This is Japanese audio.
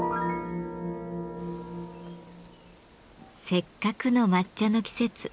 せっかくの抹茶の季節。